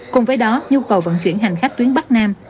cùng với đó nhu cầu vận chuyển hành khách tuyến bắc nam